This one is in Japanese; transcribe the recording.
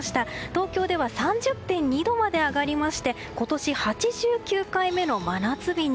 東京では３０．２度まで上がりまして今年８９回目の真夏日に。